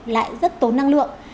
lại rất tốn năng lượng